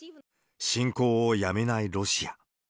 侵攻をやめないロシア。